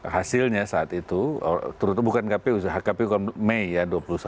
hasilnya saat itu terutama bukan kpu kpu kan may ya dua puluh satu